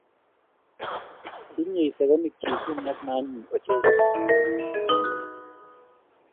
Tinyei sekemik chik kumiat ne anyiny ochei